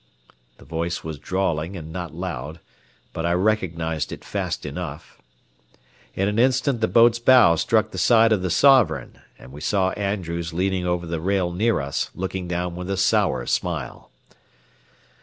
The voice was drawling and not loud, but I recognized it fast enough. In an instant the boat's bow struck the side of the Sovereign, and we saw Andrews leaning over the rail near us, looking down with a sour smile.